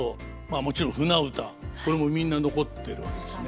もちろん舟唄これもみんな残ってるわけですね。